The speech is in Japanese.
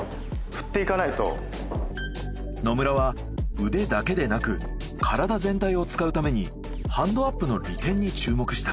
野村は腕だけでなく体全体を使うためにハンドアップの利点に注目した。